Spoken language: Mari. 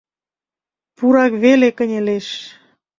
Пурак веле кынелеш.